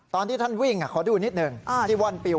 ตอนที่ท่านวิ่งขอดูนิดหนึ่งที่ว่อนปิว